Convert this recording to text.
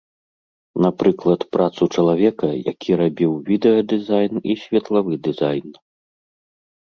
Напрыклад, працу чалавека, які рабіў відэадызайн і светлавы дызайн.